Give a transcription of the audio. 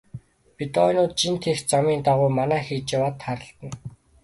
Бедоинууд жин тээх замын дагуу манаа хийж яваад тааралдана.